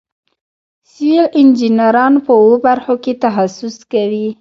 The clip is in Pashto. سیول انجینران په اوو برخو کې تخصص کوي.